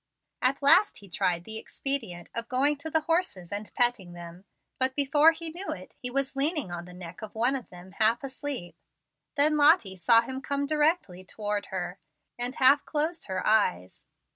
At last he tried the expedient of going to the horses and petting them, but, before he knew it, he was leaning on the neck of one of them half asleep. Then Lottie saw him come directly toward her, and half closed her eyes.